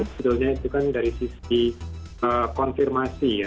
sebetulnya itu kan dari sisi konfirmasi ya